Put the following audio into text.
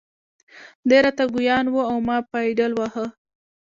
دی را ته ګویان و او ما پایډل واهه.